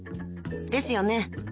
［ですよね